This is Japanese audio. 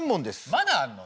まだあんの？